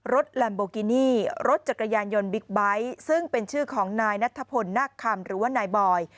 ลัมโบกินี่รถจักรยานยนต์บิ๊กไบท์ซึ่งเป็นชื่อของนายนัทพลนักคำหรือว่านายบอย